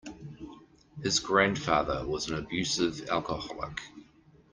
His grandfather was an abusive alcoholic.